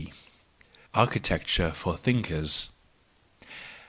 Architecture for Thinkers